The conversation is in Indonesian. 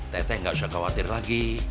teh teh gak usah khawatir lagi